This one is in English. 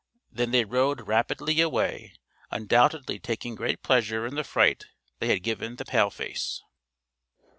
Then they rode rapidly away undoubtedly taking great pleasure in the fright they had given the Paleface.